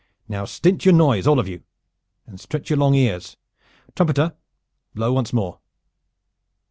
"Now stint your noise, all of you, and stretch your long ears. Trumpeter, blow once more!"